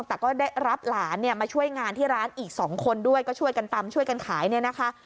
แต่ก็ได้รับหลานเนี่ยมาช่วยงานที่ร้านอีก๒คนด้วยก็ช่วยกันตำช่วยกันขายเนี่ยนะคะ